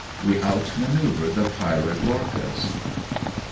WE OUTMANCEUVEE THE PIRATE LOECHAS.